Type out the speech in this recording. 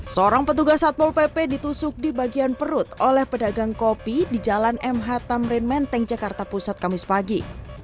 seorang petugas satpol pp ditusuk di bagian perut oleh pedagang kopi di jalan mh tamrin menteng jakarta pusat kamis pagi